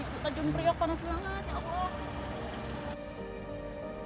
kita jombriok panas banget ya allah